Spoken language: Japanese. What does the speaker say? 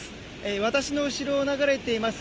私の後ろを流れています